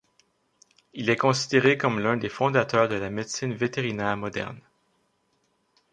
Il est considéré comme l’un des fondateurs de la médecine vétérinaire moderne.